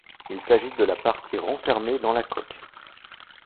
Il s’agit de la partie renfermée dans la coque.